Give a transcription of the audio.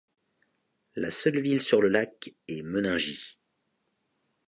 La seule ville sur le lac est Meningie.